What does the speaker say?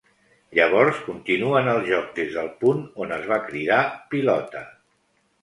Llavors continuen el joc des del punt on es va cridar "pilota".